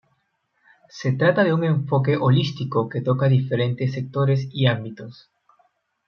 Se trata de un enfoque holístico que toca diferentes sectores y ámbitos.